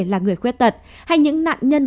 là người khuyết tật hay những nạn nhân